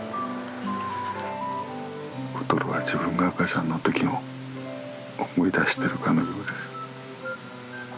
コトラは自分が赤ちゃんの時を思い出してるかのようです。